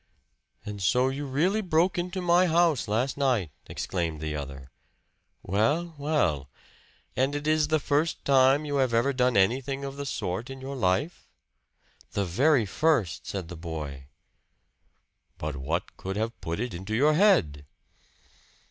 "And so you really broke into my house last night!" exclaimed the other. "Well! well! And it is the first time you have ever done anything of the sort in your life?" "The very first," said the boy. "But what could have put it into your head?"